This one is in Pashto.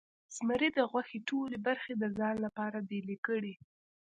زمري د غوښې ټولې برخې د ځان لپاره بیلې کړې.